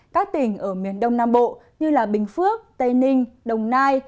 các tỉnh ở miền đông nam bộ như bình phước tây ninh đồng nai